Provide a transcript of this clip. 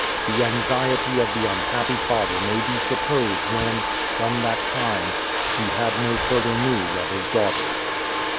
The anxiety of the unhappy father may be supposed when, from that time, he had no further news of his daughter.